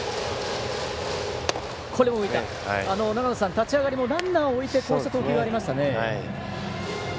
立ち上がりもランナーを置いてこういう投球ありましたね。